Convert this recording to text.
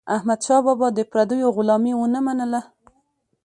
احمدشاه بابا د پردیو غلامي ونه منله.